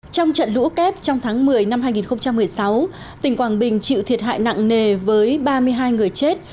trong trận lũ kép trong tháng một mươi năm hai nghìn một mươi sáu tỉnh quảng bình chịu thiệt hại nặng nề với ba mươi hai người chết